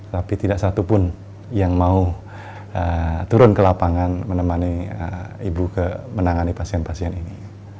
tapi tidak satupun yang mau turun ke lapangan menemani ibu ke menangani pasien pasien ini